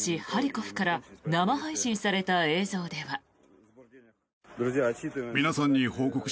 ハリコフから生配信された映像では。